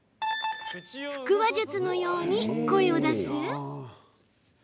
腹話術のように声を出す。